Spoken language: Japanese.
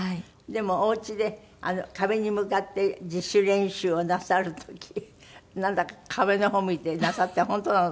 でもおうちで壁に向かって自主練習をなさる時なんだか壁の方を向いてなさるって本当なの？